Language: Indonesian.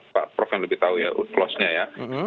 pak prof yang lebih tahu ya closenya ya